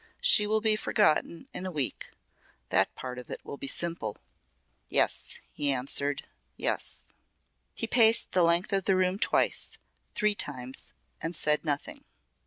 She will be forgotten in a week. That part of it will be simple." "Yes," he answered. "Yes." He paced the length of the room twice three times and said nothing.